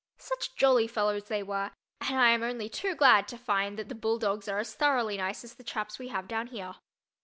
Such jolly fellows they were—and I am only too glad to find that the "bulldogs" are as thoroughly nice as the chaps we have down here.